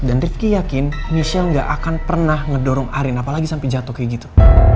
dan rifki yakin michelle nggak akan pernah ngedorong arin apalagi sampai jatuh kayak gitu